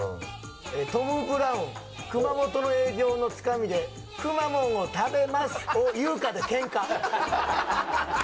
トム・ブラウン、熊本の営業のつかみでくまモンを食べます！を言うかでけんか。